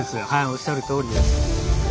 おっしゃるとおりです。